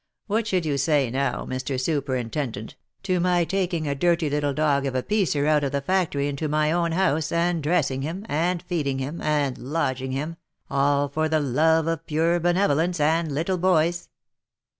" What should you say now, Mr. Superintendent, to my taking a dirty little dog of a piecer out of the factory into my own house, and dressing him, and feeding him, and lodging him, all for the love of pure benevolence, and little boys